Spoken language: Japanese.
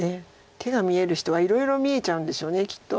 手が見える人はいろいろ見えちゃうんでしょうきっと。